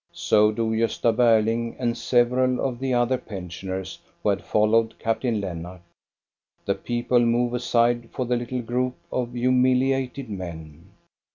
Sb do Gosta Berling and several of the other pensioners who had followed Captain Lennart. The people move aside for the little group of humiliated men.